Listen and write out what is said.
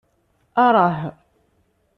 Arah